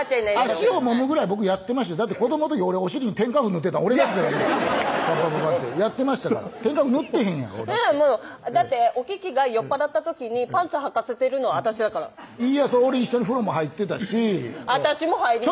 足をもむぐらい僕やってましただって子どもの時お尻に天花粉塗ってたん俺ですからねパンパンパンってやってましたから天花粉塗ってへんやんだっておききが酔っ払った時にパンツはかせてるのは私だからいや俺一緒に風呂も入ってたし私も入ります